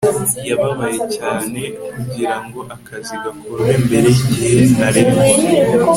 Yababaye cyane kugirango akazi gakorwe mbere yigihe ntarengwa